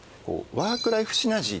ワークライフシナジー？